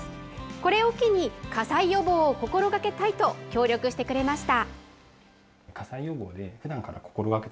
これを機に、火災予防を心がけたいと協力してくれました。